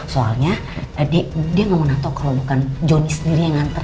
soalnya dia nggak mau nato kalau bukan johnny sendiri yang nganter